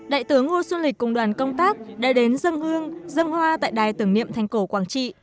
đại tướng ngô xuân lịch cùng đoàn công tác đã đến dân hương dân hoa tại đài tưởng niệm thành cổ quảng trị